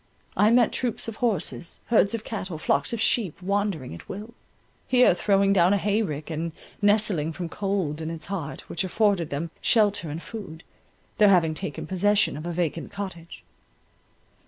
I met troops of horses, herds of cattle, flocks of sheep, wandering at will; here throwing down a hay rick, and nestling from cold in its heart, which afforded them shelter and food—there having taken possession of a vacant cottage.